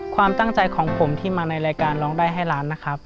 ความตั้งใจของผมที่มาในรายการร้องได้ให้ล้านนะครับ